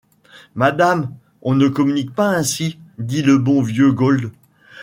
Madame, on ne communique pas ainsi, dit le bon vieux Gault.